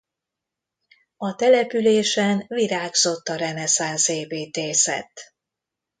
A településen virágzott a reneszánsz építészet.